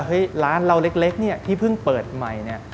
ร้านเราเล็กเนี่ยที่เพิ่งเปิดใหม่เนี่ย